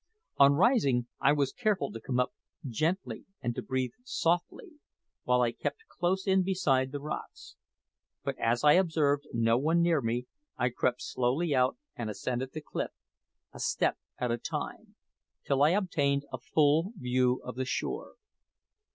On rising, I was careful to come up gently and to breathe softly, while I kept close in beside the rocks; but as I observed no one near me, I crept slowly out and ascended the cliff, a step at a time, till I obtained a full view of the shore.